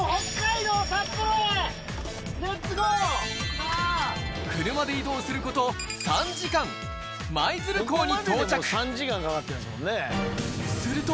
いざ参らん、北海道札幌へ、車で移動すること３時間、舞鶴港に到着。